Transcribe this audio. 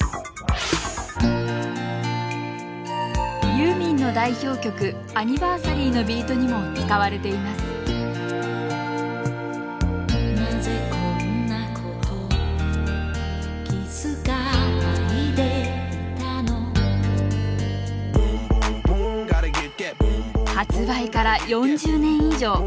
ユーミンの代表曲「ＡＮＮＩＶＥＲＳＡＲＹ」のビートにも使われています発売から４０年以上。